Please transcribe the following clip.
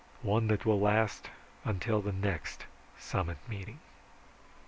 One that will last until the next summit meeting."